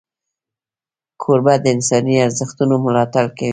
کوربه د انساني ارزښتونو ملاتړ کوي.